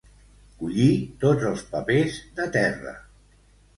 Collir tots els papers de terra.